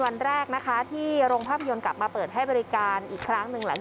สวัสดีครับผมชื่อสามารถชานุบาลชื่อเล่นว่าขิงถ่ายหนังสุ่นแห่ง